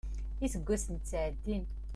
Iseggasen ttɛeddin.